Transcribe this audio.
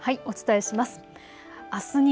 お伝えします。